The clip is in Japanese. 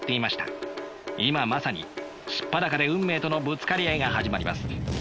今まさに素っ裸で運命とのぶつかり合いが始まります。